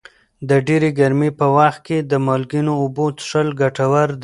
د ډېرې ګرمۍ په وخت کې د مالګینو اوبو څښل ګټور دي.